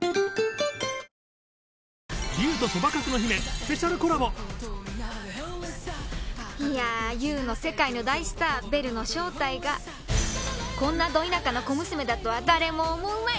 スペシャルコラボいやＵの世界の大スターベルの正体がこんなド田舎の小娘だとは誰も思うまい！